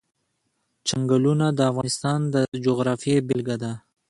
چنګلونه د افغانستان د جغرافیې بېلګه ده.